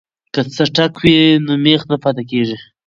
که څټک وي نو میخ نه پاتې کیږي.